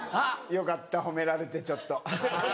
よかった褒められてちょっと。